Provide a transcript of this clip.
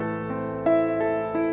gak ada apa apa